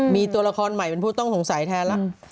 มีตัวละครใหม่เป็นผู้ต้องสงสัยแทนแล้ว